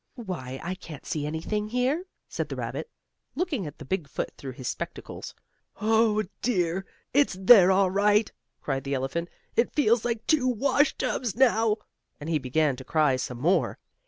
"Why, I can't see anything here," said the rabbit, looking at the big foot through his spectacles. "Oh, dear! It's there all right!" cried the elephant. "It feels like two wash tubs now," and he began to cry some more.